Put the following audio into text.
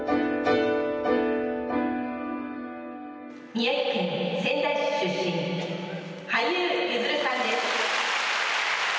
「宮城県仙台市出身羽生結弦さんです」